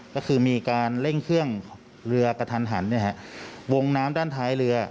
ก็คือมีการเร่งเครื่องเรือกระทันหันวงน้ำด้านท้ายเรือ